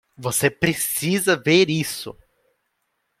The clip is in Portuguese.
Você precisa ver isso.